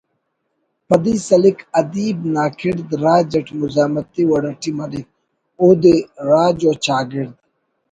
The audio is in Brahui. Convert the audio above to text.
پدی سلک ادیب نا کڑد راج اٹ مزاحمتی وڑ اٹی مریک اودے راج و چاگڑد